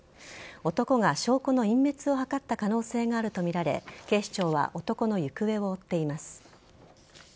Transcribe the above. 男が証拠の隠滅を図った可能性があるとみられ警視庁は男の行方を追っています。